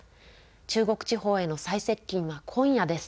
中国地方への最接近は今夜です。